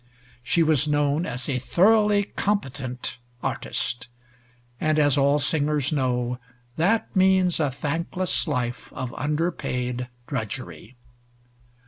She was known as a thoroughly "competent" artist, and as all singers know, that means a thankless life of underpaid drudgery.